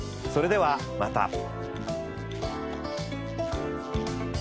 それではまた。